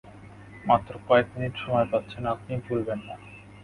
মাত্র কয়েক মিনিট সময় পাচ্ছেন আপনি, ভুলবেন না।